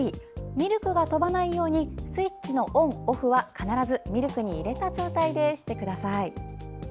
ミルクが飛ばないようにスイッチのオンオフは必ずミルクに入れた状態でしてください。